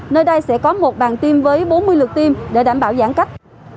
nơi đây sẽ có một bàn tiêm với bốn mươi lượt tiêm để đảm bảo giãn cách